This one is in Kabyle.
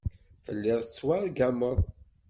Telliḍ tettwargameḍ.